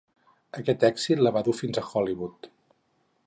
Aquest èxit la va dur fins a Hollywood.